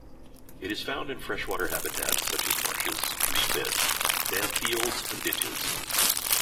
It is found in freshwater habitats such as marshes, reedbeds, damp fields and ditches.